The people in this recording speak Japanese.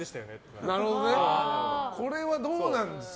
これはどうなんですか？